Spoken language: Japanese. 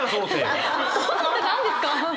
臍って何ですか？